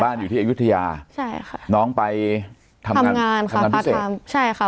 อยู่ที่อายุทยาใช่ค่ะน้องไปทำงานทำงานพิเศษใช่ค่ะ